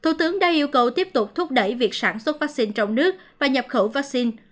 thủ tướng đã yêu cầu tiếp tục sản xuất vaccine trong nước và nhập khẩu vaccine